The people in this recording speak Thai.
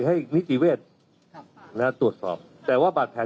มันน่าจะเป็นห่วงออกที่อยู่ใต้ใบพัดอ่ะค่ะท่าน